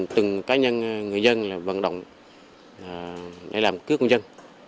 từng cá nhân người dân là vận động để làm cướp công dân